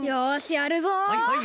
やるぞ！